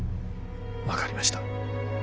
分かりました。